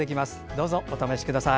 どうぞお試しください。